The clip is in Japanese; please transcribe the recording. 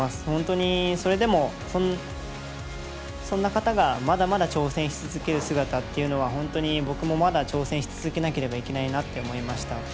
本当にそれでも、そんな方がまだまだ挑戦し続ける姿っていうのは本当に僕もまだ挑戦し続けなければならないと思いました。